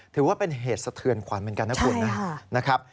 ถือว่าเป็นเหตุสะเทือนขวานเหมือนกันนะคุณนะครับนะครับใช่ค่ะ